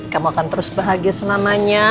kamu akan terus bahagia selamanya